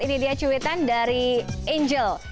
ini dia cuitan dari angel